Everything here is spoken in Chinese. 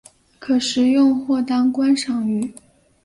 可食用或当观赏鱼。